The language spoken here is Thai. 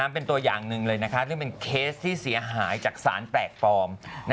เป็นตัวอย่างหนึ่งเลยนะคะซึ่งเป็นเคสที่เสียหายจากสารแปลกปลอม